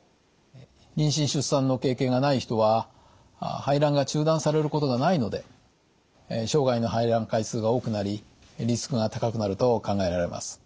妊娠・出産の経験がない人は排卵が中断されることがないので生涯の排卵回数が多くなりリスクが高くなると考えられます。